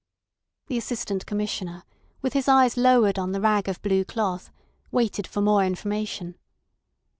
The Assistant Commissioner, with his eyes lowered on the rag of blue cloth, waited for more information.